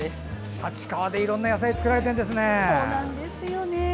立川でいろんな野菜作られているんですね。